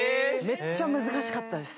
めっちゃ難しかったです。